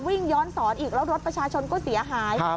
วิ่งย้อนสอนอีกแล้วรถประชาชนก็เสียหาย